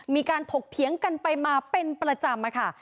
มีการถกเถียงกันไปมาเป็นประจำ